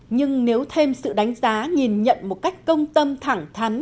nhưng nếu thêm sự đánh giá nhìn nhận một cách công tâm thẳng thắn